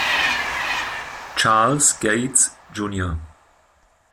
Charles Gates jun.